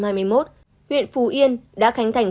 huyện phù yên đã khánh thành